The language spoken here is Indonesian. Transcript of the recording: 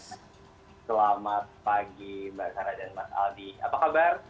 selamat pagi mbak sarah dan mas aldi apa kabar